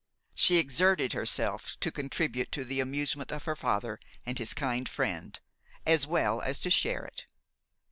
She exerted herself to contribute to the amusement of her father and his kind friend, as well as to share it.